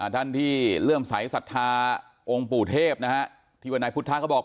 ท่านที่เริ่มสายศรัทธาองค์ปู่เทพนะฮะที่วันให้พุทธภาพก็บอก